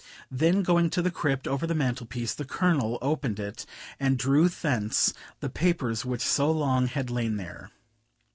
Then going to the crypt over the mantel piece, the Colonel opened it, and drew thence the papers which so long had lain there.